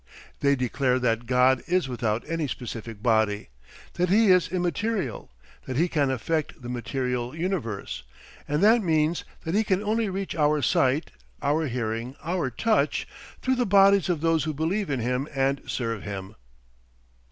... They declare that God is without any specific body, that he is immaterial, that he can affect the material universe and that means that he can only reach our sight, our hearing, our touch through the bodies of those who believe in him and serve him.